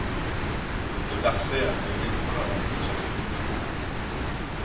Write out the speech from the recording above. De Marsay a donné de Coralie soixante mille francs.